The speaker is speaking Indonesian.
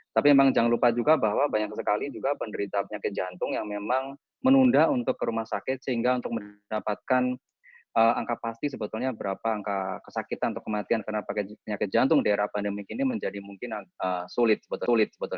tapi memang jangan lupa juga bahwa banyak sekali juga penderita penyakit jantung yang memang menunda untuk ke rumah sakit sehingga untuk mendapatkan angka pasti sebetulnya berapa angka kesakitan atau kematian karena penyakit jantung di era pandemik ini menjadi mungkin sulit